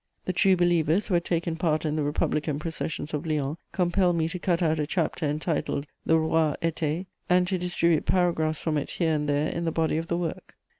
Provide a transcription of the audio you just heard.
The true believers who had taken part in the Republican processions of Lyons compelled me to cut out a chapter entitled the Rois athées, and to distribute paragraphs from it here and there in the body of the work.